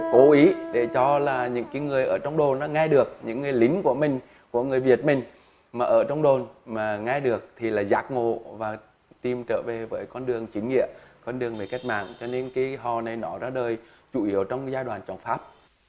cố ý để cho là những người ở trong đồn nó nghe được những người lính của mình của người việt mình mà ở trong đồn mà nghe được thì là giác ngộ và tìm trở về với con đường chính nghĩa con đường về cách mạng cho nên cái hò này nó ra đời chủ yếu trong giai đoạn trọng pháp